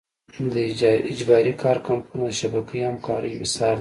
د اجباري کار کمپونه د شبکه همکارۍ مثال دی.